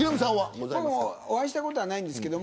僕はお会いしたことはないんですけど